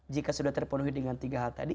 jika sudah terpenuhi dengan tiga hal tadi